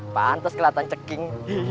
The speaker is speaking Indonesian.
pantes keliatan ceking